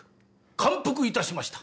感服致しました。